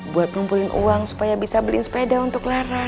buat kumpulin uang supaya bisa beliin sepeda untuk laras